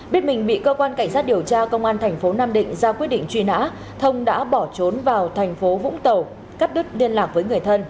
biết mình bị cơ quan cảnh sát điều tra công an thành phố nam định ra quyết định truy nã thông đã bỏ trốn vào thành phố vũng tàu cắt đứt liên lạc với người thân